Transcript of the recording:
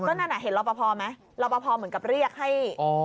ก็นั่นอ่ะเห็นรับประพอไหมรับประพอเหมือนกับเรียกให้อ๋อ